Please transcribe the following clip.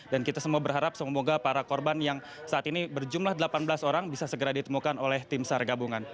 dan kita semua berharap semoga para korban yang saat ini berjumlah delapan belas orang bisa segera ditemukan oleh tim sar gabungan